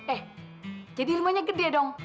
eh jadi rumahnya gede dong